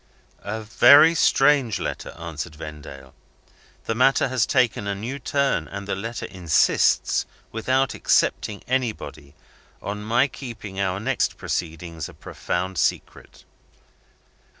"A very strange letter," answered Vendale. "The matter has taken a new turn, and the letter insists without excepting anybody on my keeping our next proceedings a profound secret."